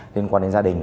liên quan đến gia đình